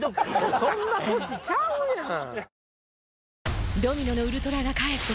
そんな年ちゃうやん！